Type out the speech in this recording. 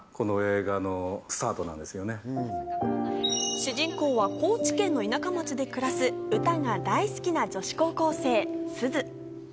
主人公は高知県の田舎町で暮らす歌が大好きな女子高校生・すず。